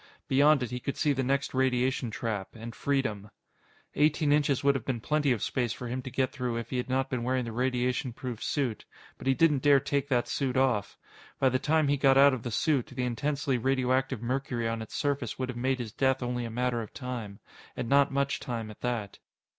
Beyond it, he could see the next radiation trap and freedom. Eighteen inches would have been plenty of space for him to get through if he had not been wearing the radiation proof suit. But he didn't dare take that suit off. By the time he got out of the suit, the intensely radioactive mercury on its surface would have made his death only a matter of time. And not much time at that.